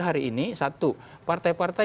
hari ini satu partai partai